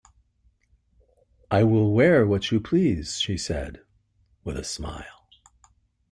"I will wear what you please," she said, with a smile.